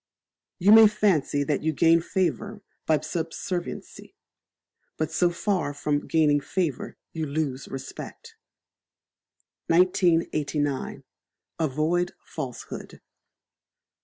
You may fancy that you gain favour by subserviency; but so far from gaining favour, you lose respect. 1989. Avoid Falsehood.